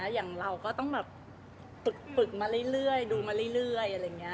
อย่างเราก็ต้องปึกมาเรื่อยดูมาเรื่อย